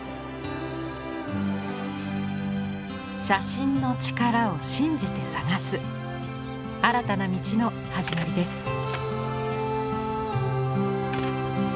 写真のチカラを信じて探す新たな道の始まりです。